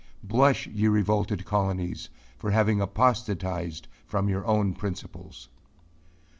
Blush, ye revolted colonies, for having apostatized from your own principles.